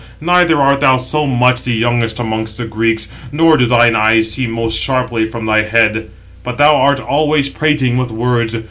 Neither art thou so much the youngest amongst the Greeks, nor do thine eyes see most sharply from thy head: but thou art always prating with words.